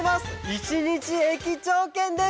一日駅長けんです！